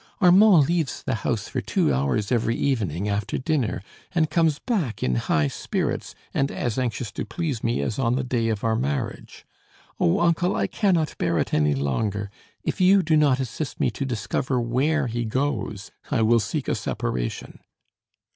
"Armand leaves the house for two hours every evening, after dinner, and comes back in high spirits and as anxious to please me as on the day of our marriage. Oh, uncle, I cannot bear it any longer! If you do not assist me to discover where he goes, I will seek a separation."